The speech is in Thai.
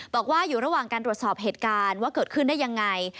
บอกว่าอยู่ระหว่างการตรวจสอบเหตุการณ์ว่าเกิดขึ้นได้ยังไง